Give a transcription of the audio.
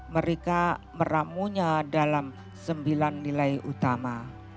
mereka meramunya dalam sembilan nilai utama